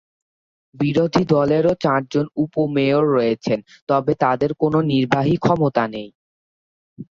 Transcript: বিরোধী দলেরও চারজন উপ-মেয়র রয়েছেন, তবে তাদের কোনও নির্বাহী ক্ষমতা নেই।